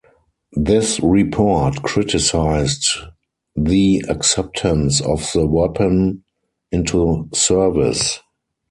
This report criticised the acceptance of the weapon into service.